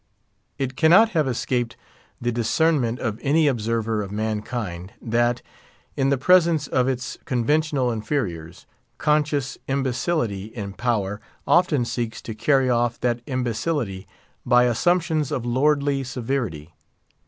It cannot have escaped the discernment of any observer of mankind, that, in the presence of its conventional inferiors, conscious imbecility in power often seeks to carry off that imbecility by assumptions of lordly severity.